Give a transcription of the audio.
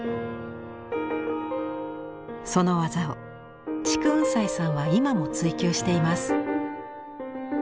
その技を竹雲斎さんは今も追求しています。